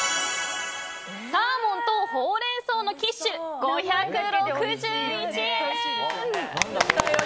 サーモンとほうれん草のキッシュ５６１円。